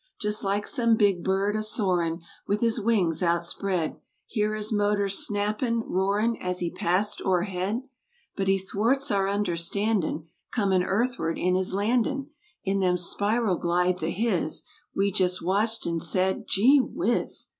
Just like some big bird a soarin' With his wings outspread. Hear his motor snappin'—roarin' As he passed o'er head? But he thwarts our understandin' Cornin' earthward in his landin' In them spiral glides o' his— We jest watched an' said—"Gee Whiz!